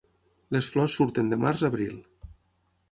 Les flors surten de març a abril.